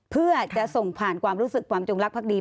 เพื่อจะส่งผ่านความรู้สึกความจงรักภักดี